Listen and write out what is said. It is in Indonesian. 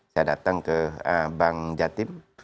saya datang ke bank jatim